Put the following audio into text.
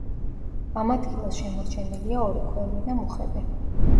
ამ ადგილას შემორჩენილია ორი ქვევრი და მუხები.